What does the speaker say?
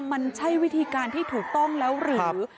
มันใช่วิธีการที่ถูกต้องแล้วหรือ